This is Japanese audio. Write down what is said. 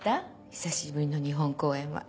久しぶりの日本公演は。